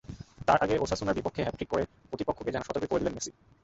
তার আগে ওসাসুনার বিপক্ষে হ্যাটট্রিক করে প্রতিপক্ষকে যেন সতর্কই করে দিলেন মেসি।